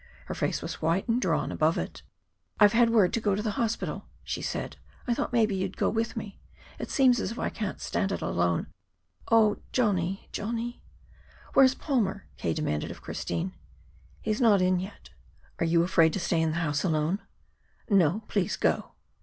Her face was white and drawn above it. "I've had word to go to the hospital," she said. "I thought maybe you'd go with me. It seems as if I can't stand it alone. Oh, Johnny, Johnny!" "Where's Palmer?" K. demanded of Christine. "He's not in yet." "Are you afraid to stay in the house alone?" "No; please go."